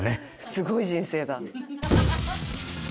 「すごい人生だ」